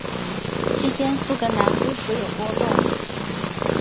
期间苏格兰归属有波动。